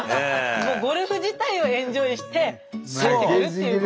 ゴルフ自体をエンジョイして帰ってくるっていう。